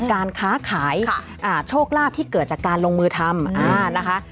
การค้าขายค่ะอ่าโชคลาภที่เกิดจากการลงมือทำอืมอ่านะคะ